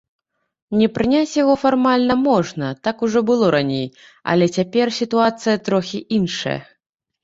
Не прыняць яго фармальна можна, так ужо было раней, але цяпер сітуацыя трохі іншая.